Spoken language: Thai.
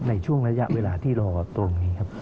ในช่วงระยะเวลาที่รอตรงนี้ครับ